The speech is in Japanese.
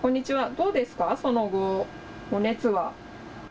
どうですかその後、お熱は。